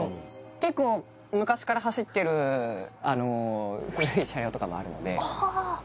結構昔から走ってるあの古い車両とかもあるのでああ